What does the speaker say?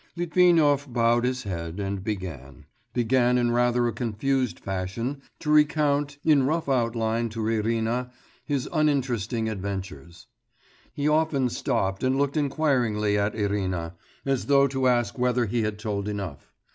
Litvinov bowed his head and began ... began in rather a confused fashion to recount in rough outline to Irina his uninteresting adventures. He often stopped and looked inquiringly at Irina, as though to ask whether he had told enough.